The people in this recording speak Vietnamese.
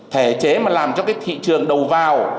thể chế mà làm cho cái thị trường đầu vào